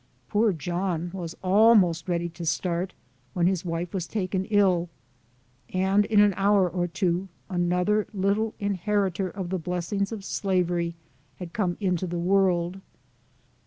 Poor John was almost ready to start, when his wife was taken ill, and in an hour or two, another little inheritor of the blessings of slavery had come into the world.